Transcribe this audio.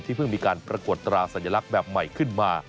เพิ่งมีการปรากฏตราสัญลักษณ์แบบใหม่ขึ้นมา